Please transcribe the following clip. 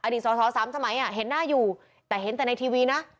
สอสอสามสมัยเห็นหน้าอยู่แต่เห็นแต่ในทีวีนะ